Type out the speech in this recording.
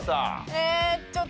えっ！？